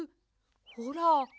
ほら。